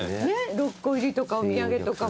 ６個入りとかお土産とかも。